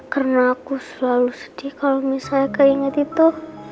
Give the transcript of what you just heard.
karena aku selalu sedih kalau misalnya keinget itu